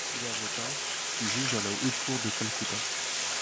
Il est avocat, puis juge à la Haute Cour de Calcutta.